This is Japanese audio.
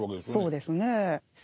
そうですねえ。